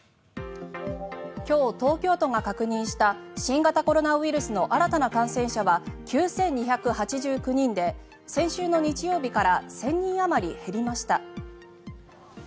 今日、東京都が確認した新型コロナウイルスの新たな感染者は９２８９人で先週の日曜日から１０００人あまり減りました。